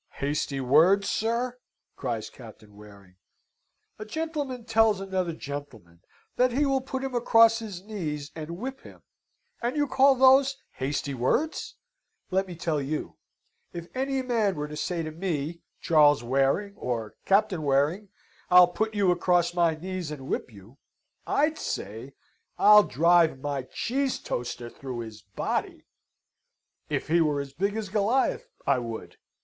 "Hasty words, sir!" cries Captain Waring. "A gentleman tells another gentleman that he will put him across his knees and whip him, and you call those hasty words? Let me tell you if any man were to say to me, 'Charles Waring,' or 'Captain Waring, I'll put you across my knees and whip you,' I'd say, 'I'll drive my cheese toaster through his body,' if he were as big as Goliath, I would.